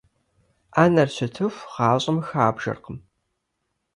Ӏэнэр щытыху, гъащӀэм хабжэркъым.